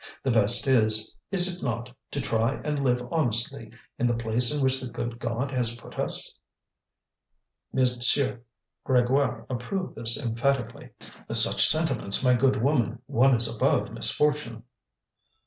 The best is, is it not, to try and live honestly in the place in which the good God has put us?" M. Grégoire approved this emphatically. "With such sentiments, my good woman, one is above misfortune."